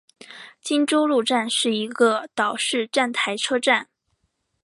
金周路站是一个岛式站台车站。